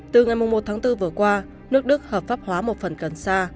từ ngày một tháng bốn vừa qua nước đức hợp pháp hóa một phần cần sa